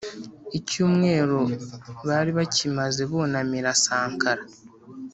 icyumweru bari bakimaze bunamira sankara